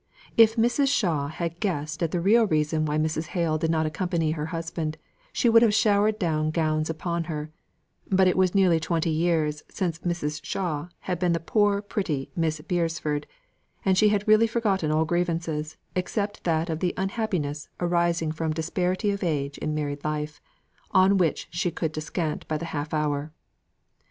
If Mrs. Shaw had guessed at the real reason why Mrs. Hale did not accompany her husband, she would have showered down gowns upon her; but it was nearly twenty years since Mrs. Shaw had been the poor pretty Miss Beresford, and she had really forgotten all grievances except that of the unhappiness arising from disparity of age in married life, on which she could descant by the half hour.